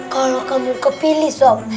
kalau kamu kepilih sob